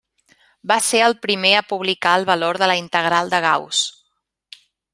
Va ser el primer a publicar el valor de la integral de Gauss.